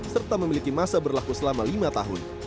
serta memiliki masa berlaku selama lima tahun